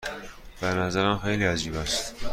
به نظرم خیلی عجیب است.